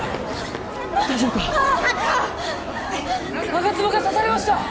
吾妻が刺されました！